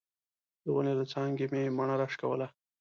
د ونې له څانګې مې مڼه راوشکوله.